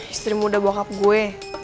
istri muda bokap gue